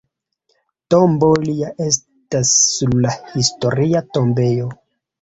Tombo lia estas sur la Historia tombejo.